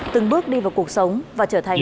từng bước đi vào cuộc sống và trở thành